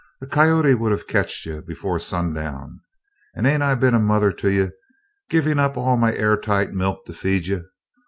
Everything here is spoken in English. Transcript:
A coyote would a ketched you before sundown. And ain't I been a mother to you, giving up all my air tight milk to feed you?